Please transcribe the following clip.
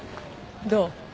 どう？